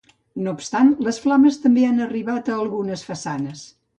No obstant, les flames també han arribat a algunes façanes.